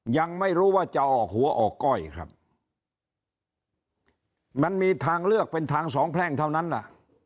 ยังไม่รู้ว่าจะออกหัวออกก้อยครับมันมีทางเลือกเป็นทางสองแพร่งเท่านั้นน่ะ